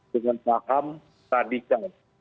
dengan paham radikal